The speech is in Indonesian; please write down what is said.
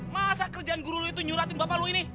masa kerjaan guru lo itu nyuratin bapak lu ini